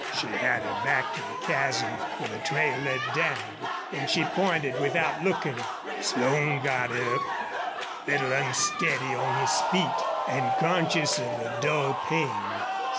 She had her back to the chasm where the trail led down, and she pointed without looking. Slone got up, a little unsteady on his feet and conscious of a dull pain.